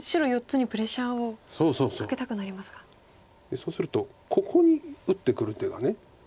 そうするとここに打ってくる手が。